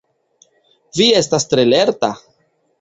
Vi estas tre lerta!